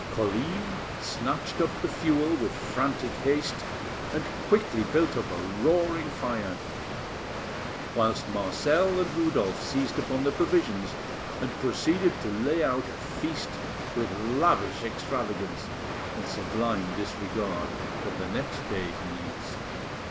Colline snatched up the fuel with frantic haste, and quickly built up a roaring fire; whilst Marcel and Rudolf seized upon the provisions, and proceeded to lay out a feast with lavish extravagance, and sublime disregard of the next day's needs.